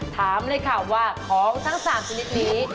ถามเลยค่ะว่าของทั้ง๓ชนิดนี้